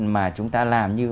mà chúng ta làm như